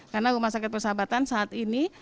karena rumah sakit persahabatan saat ini